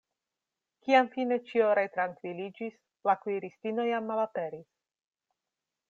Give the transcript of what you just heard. Kiam fine ĉio retrankviliĝis, la kuiristino jam malaperis.